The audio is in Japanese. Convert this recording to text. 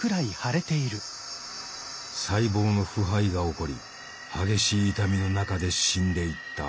細胞の腐敗が起こり激しい痛みの中で死んでいった。